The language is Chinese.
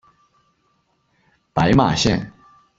白马线